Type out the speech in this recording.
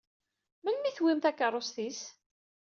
Melmi i tewwim takeṛṛust-is?